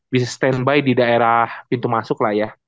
bisa standby di daerah pintu masuk lah ya